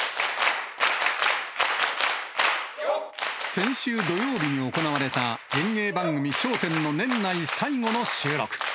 先週土曜日に行われた演芸番組、笑点の年内最後の収録。